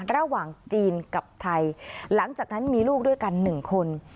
ระหว่างจีนกับไทยหลังจากนั้นมีลูกด้วยกัน๑คน